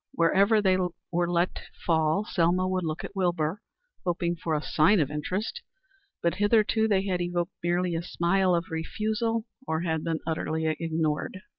Whenever they were let fall, Selma would look at Wilbur hoping for a sign of interest, but hitherto they had evoked merely a smile of refusal or had been utterly ignored.